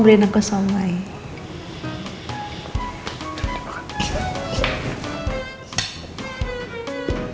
udah nggak usah senyum senyum